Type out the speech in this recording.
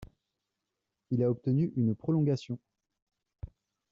Il a obtenu une prolongation.